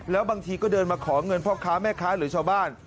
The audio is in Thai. แล้วบางทีก็เดินมาขอเงินพ่อค้าแม่ค้าหรือชาวบ้าน